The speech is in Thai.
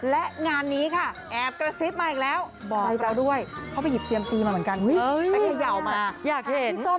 และงานนี้ค่ะแอบกระซิบมาอีกแล้วบอกเราด้วยเขาไปหยิบเซียมซีมาเหมือนกันไปเขย่ามา